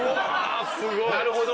なるほど。